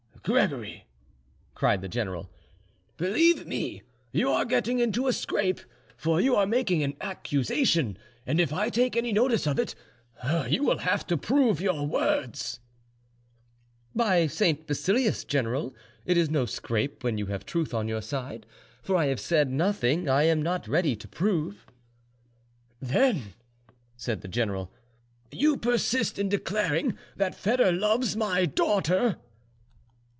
"Gregory," cried the general, "believe me, you are getting into a scrape; for you are making an accusation, and if I take any notice of it, you will have to prove your words." "By St. Basilius, general, it is no scrape when you have truth on your side; for I have said nothing I am not ready to prove." "Then," said the general, "you persist in declaring that Foedor loves my daughter?"